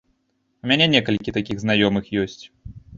У мяне некалькі такіх знаёмых ёсць.